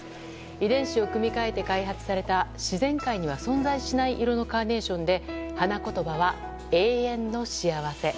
遺伝子を組み換えて開発された自然界には存在しない色のカーネーションで花言葉は永遠の幸福。